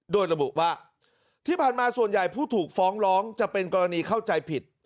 โดยระบุว่าที่ผ่านมาส่วนใหญ่ผู้ถูกฟ้องร้องจะเป็นกรณีเข้าใจผิด